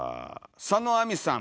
「佐野亜実」さん。